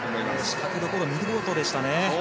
仕掛けどころが見事でしたね。